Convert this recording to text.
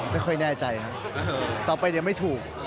ไม่ค่อยแน่ใจครับต่อไปยังไม่ถูก